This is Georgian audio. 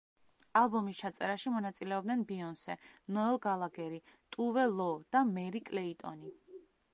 ალბომის ჩაწერაში მონაწილეობდნენ ბიონსე, ნოელ გალაგერი, ტუვე ლო და მერი კლეიტონი.